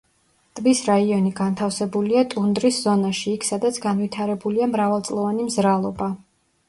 ტბის რაიონი განთავსებულია ტუნდრის ზონაში, იქ სადაც განვითარებულია მრავალწლოვანი მზრალობა.